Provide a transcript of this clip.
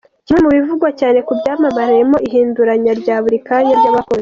Kimwe mu bivugwa cyane ku byamamare harimo ihinduranya rya buri kanya ry’abakunzi.